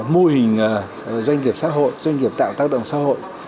mô hình doanh nghiệp xã hội doanh nghiệp tạo tác động xã hội